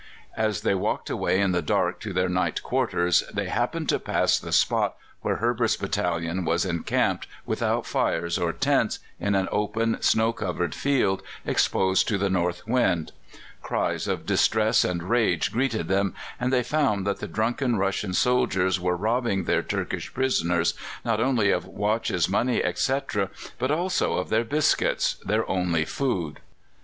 As they walked away in the dark to their night quarters, they happened to pass the spot where Herbert's battalion was encamped, without fires or tents, in an open, snow covered field, exposed to the north wind. Cries of distress and rage greeted them, and they found that the drunken Russian soldiers were robbing their Turkish prisoners, not only of watches, money, etc., but also of their biscuits their only food.